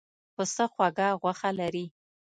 پسه خوږه غوښه لري.